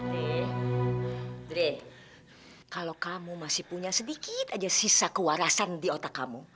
dre kalau kamu masih punya sedikit aja sisa kewarasan di otak kamu